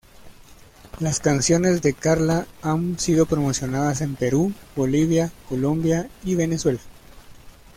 Las canciones de Karla han sido promocionadas en Perú, Bolivia, Colombia y Venezuela.